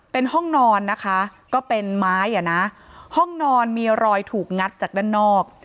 เป็นห้องนอนนะคะก็เป็นไม้อ่ะนะห้องนอนมีรอยถูกงัดจากด้านนอก